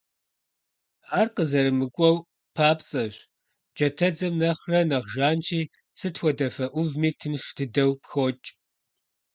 Ар къызэрымыкӀуэу папцӀэщ, джатэдзэм нэхърэ нэхъ жанщи, сыт хуэдэ фэ Ӏувми тынш дыдэу пхокӀ.